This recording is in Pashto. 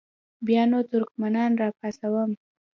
بیا نو ترکمنان را پاڅوم.